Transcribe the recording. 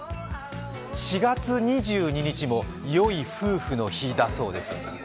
４月２２日もよい夫婦の日だそうです。